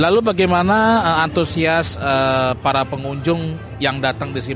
lalu bagaimana antusias para pengunjung yang datang di sini